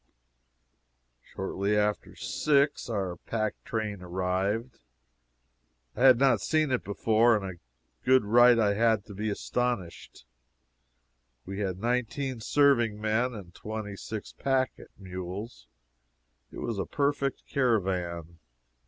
Shortly after six, our pack train arrived. I had not seen it before, and a good right I had to be astonished. We had nineteen serving men and twenty six pack mules! It was a perfect caravan.